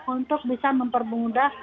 untuk bisa mempermudah